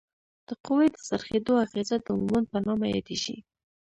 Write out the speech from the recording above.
د قوې د څرخیدو اغیزه د مومنټ په نامه یادیږي.